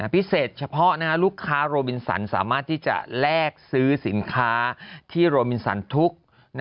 พิเศษเฉพาะลูกค้าโรบินสันสามารถที่จะแลกซื้อสินค้าที่โรมินสันทุก